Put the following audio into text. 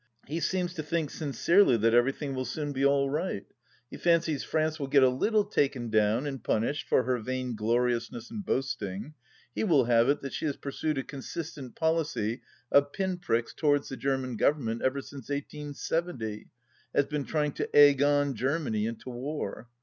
He seems to think sincerely that everything will soon be all right. He fancies France will get a little taken down and punished for her vaingloriousness and boasting. He will have it that she has pursued a consistent policy of pin pricks towards the German Government ever since 1870 — has been trying to egg on Germany into war.